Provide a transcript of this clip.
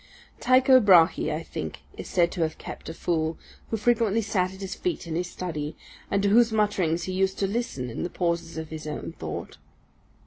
_ Tycho Brahe, I think, is said to have kept a fool, who frequently sat at his feet in his study, and to whose mutterings he used to listen in the pauses of his own thought.